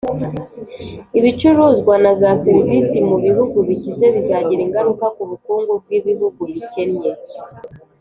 ibicuruzwa na za serivisi mu bihugu bikize bizagira ingaruka ku bukungu bw'ibihugu bikennye.